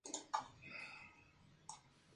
Benedetto fue nombrado prefecto imperial de la isla.